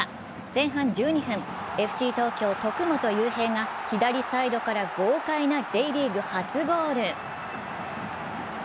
前半１２分、ＦＣ東京・徳本悠平が左サイドから豪快なＪリーグ初ゴール。